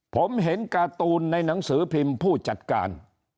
ผมเห็นการ์ตูนในหนังสือพิมพ์ผู้จัดการ